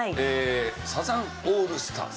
サザンオールスターズ。